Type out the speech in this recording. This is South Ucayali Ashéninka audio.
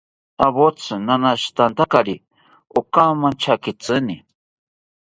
Awotsi nanashitantakari okamanchakitzini